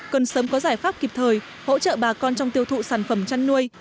cần sớm có giải pháp kịp thời hỗ trợ bà con trong tiêu thụ sản phẩm chăn nuôi